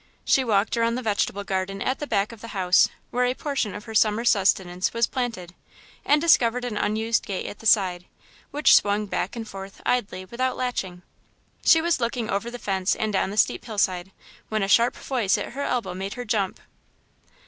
She walked around the vegetable garden at the back of the house, where a portion of her Summer sustenance was planted, and discovered an unused gate at the side, which swung back and forth, idly, without latching. She was looking over the fence and down the steep hillside, when a sharp voice at her elbow made her jump.